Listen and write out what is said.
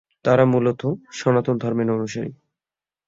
তারা মূলত: সনাতন ধর্মের অনুসারী।